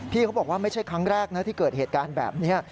เขาบอกว่าไม่ใช่ครั้งแรกนะที่เกิดเหตุการณ์แบบนี้